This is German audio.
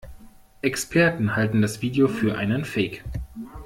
Experten halten das Video für einen Fake.